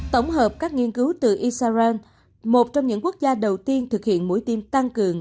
tổng hợp các nghiên cứu từ israel một trong những quốc gia đầu tiên thực hiện mũi tiêm tăng cường